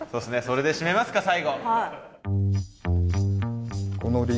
それで締めますか最後。